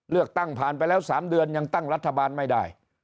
เลือกตั้งผ่านไปแล้ว๓เดือนยังตั้งรัฐบาลไม่ได้